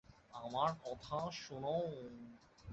আমার কথা শোন!